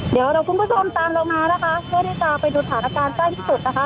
เดี๋ยวเราคุณผู้ชมตามเรามานะคะเพื่อที่จะไปดูสถานการณ์ใกล้ที่สุดนะคะ